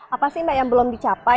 apa sih mbak yang belum dicapai